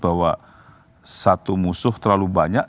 bahwa satu musuh terlalu banyak